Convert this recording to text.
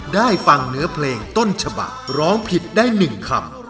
ได้ฟังเนื้อเพลงต้นฉบักร้องผิดได้๑คำ